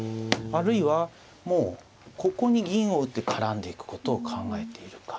あるいはもうここに銀を打って絡んでいくことを考えているか。